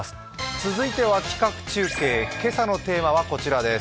続いては企画中継、今朝のテーマはこちらです。